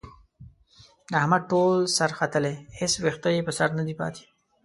د احمد ټول سر ختلی، هېڅ وېښته یې په سر ندی پاتې.